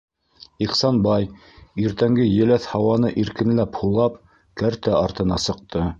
Ихсанбай, иртәнге еләҫ һауаны иркенләп һулап, кәртә артына сыҡты.